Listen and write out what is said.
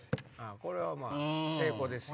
これはまぁ成功ですよ。